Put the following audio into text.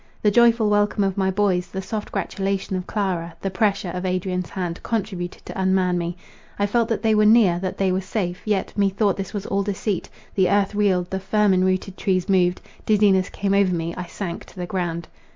The joyful welcome of my boys, the soft gratulation of Clara, the pressure of Adrian's hand, contributed to unman me. I felt that they were near, that they were safe, yet methought this was all deceit;—the earth reeled, the firm enrooted trees moved—dizziness came over me—I sank to the ground.